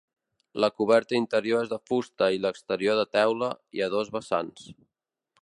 La coberta interior és de fusta i l'exterior de teula i a dos vessants.